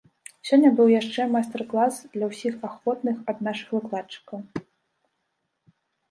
Сёння быў яшчэ майстар-клас для ўсіх ахвотных ад нашых выкладчыкаў.